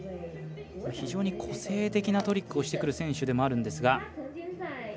非常に個性的なトリックをしてくる選手でもあるんですが。